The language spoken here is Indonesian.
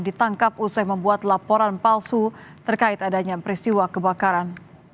ditangkap usai membuat laporan palsu terkait adanya peristiwa kebakaran